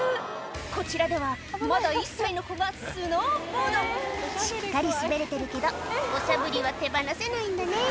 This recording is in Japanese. こちらではまだ１歳の子がスノーボードしっかり滑れてるけどおしゃぶりは手放せないんだね